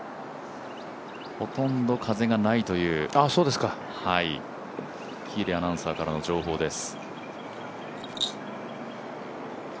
ほとんど風はないという喜入アナウンサーからの情報です。